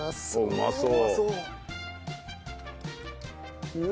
うまそう。